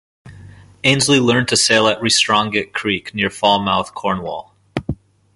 Ainslie learned to sail at Restronguet Creek near Falmouth, Cornwall.